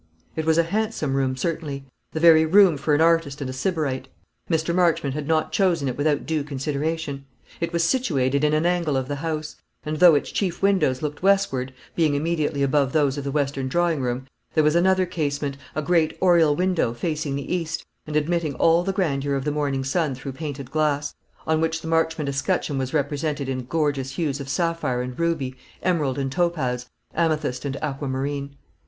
It was a handsome room, certainly the very room for an artist and a sybarite. Mr. Marchmont had not chosen it without due consideration. It was situated in an angle of the house; and though its chief windows looked westward, being immediately above those of the western drawing room, there was another casement, a great oriel window, facing the east, and admitting all the grandeur of the morning sun through painted glass, on which the Marchmont escutcheon was represented in gorgeous hues of sapphire and ruby, emerald and topaz, amethyst and aqua marine.